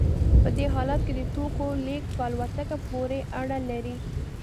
په دې حالت کې د توکو لیږد په الوتکه پورې اړه لري